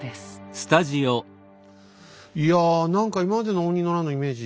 いや何か今までの応仁の乱のイメージ